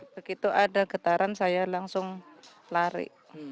begitu ada getaran saya langsung lari